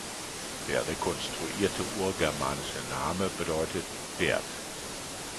Der rekonstruierte urgermanische Name bedeutet „Pferd“.